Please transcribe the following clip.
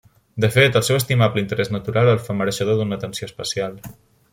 De fet, el seu estimable interès natural el fa mereixedor d’una atenció especial.